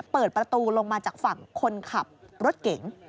เปิดประตูลงมาจากฝั่งคนขับรถเก๋ง